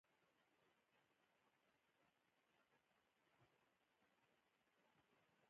نور په دې اړه بحث نه شي